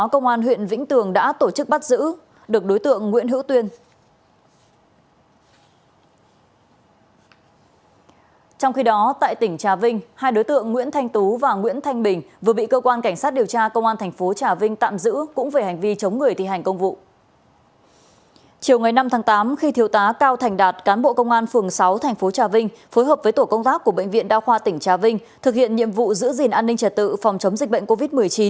chiều ngày năm tháng tám khi thiếu tá cao thành đạt cán bộ công an phường sáu thành phố trà vinh phối hợp với tổ công tác của bệnh viện đa khoa tỉnh trà vinh thực hiện nhiệm vụ giữ gìn an ninh trật tự phòng chống dịch bệnh covid một mươi chín